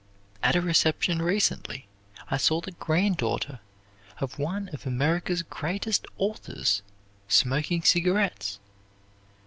At a reception recently, I saw the granddaughter of one of America's greatest authors smoking cigarettes.